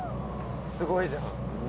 すごいじゃん。